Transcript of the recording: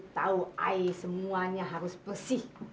tahu air semuanya harus bersih